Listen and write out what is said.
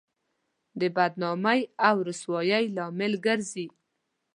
د بدنامۍ او رسوایۍ لامل ګرځي.